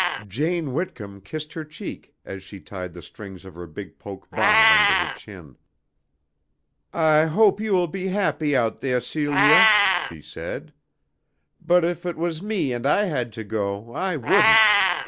Jane Whitcomb kissed her cheek as she tied the strings of her big poke bonnet under her chin. "I hope you will be happy out theah, Celia," she said; "but if it was me and I had to go, I wouldn't.